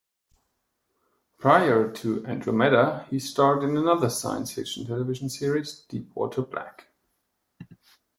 Prior to "Andromeda" he starred in another science fiction television series, "Deepwater Black".